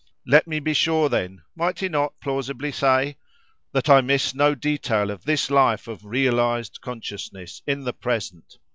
Let me be sure then—might he not plausibly say?—that I miss no detail of this life of realised consciousness in the present!